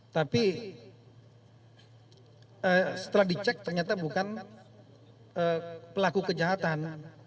tapi setelah dicek ternyata bukan pelaku kejahatan